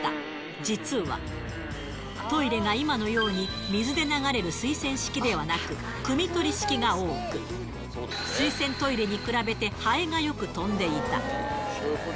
実は、トイレが今のように、水で流れる水洗式ではなく、くみ取り式が多く、水洗トイレに比べて、ハエがよく飛んでいた。